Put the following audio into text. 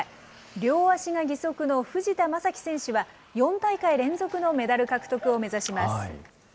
両足が義足の藤田征樹選手は、４大会連続のメダル獲得を目指します。